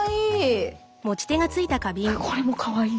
これもかわいい！